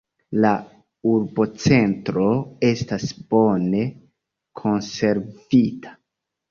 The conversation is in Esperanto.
La urbocentro estas bone konservita.